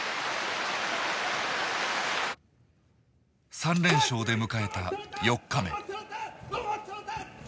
３連勝で迎えた４日目。